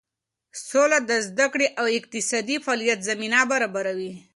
سوله د زده کړې او اقتصادي فعالیت زمینه برابروي.